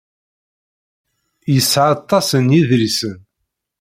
Yesɛa aṭas n yedlisen.